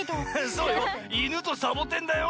そうよいぬとサボテンだよ。